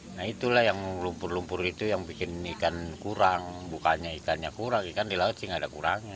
nah itulah yang lumpur lumpur itu yang bikin ikan kurang bukannya ikannya kurang ikan di laut sih nggak ada kurangnya